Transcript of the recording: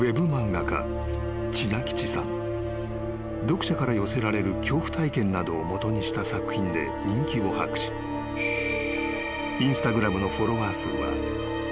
［読者から寄せられる恐怖体験などを基にした作品で人気を博しＩｎｓｔａｇｒａｍの］